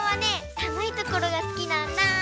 さむいところがすきなんだ。